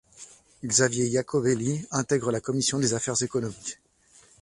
Xavier Iacovelli intègre la commission des affaires économiques.